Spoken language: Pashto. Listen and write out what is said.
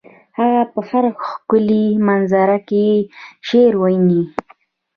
هغه په هر ښکلي منظر کې شعر ویني